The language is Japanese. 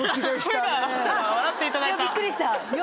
びっくりした。